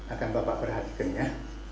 akan bapak perhatikannya